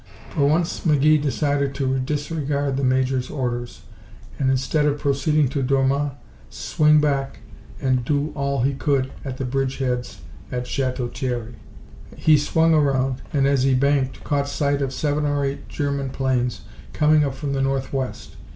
For once McGee decided to disregard the Major's orders and, instead of proceeding to Dormans, swing back and do all he could at the bridgeheads at Chateau Thierry. He swung around, and as he banked caught sight of seven or eight German planes coming up from the northwest.